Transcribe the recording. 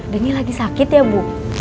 denny lagi sakit ya bu